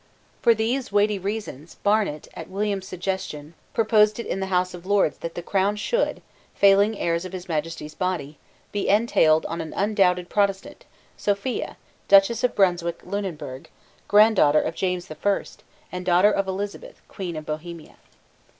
For these weighty reasons, Barnet, at William's suggestion, proposed it the House of Lords that the crown should, failing heirs of His Majesty's body, be entailed on an undoubted Protestant, Sophia, Duchess of Brunswick Lunenburg, granddaughter of James the First, and daughter of Elizabeth, Queen of Bohemia.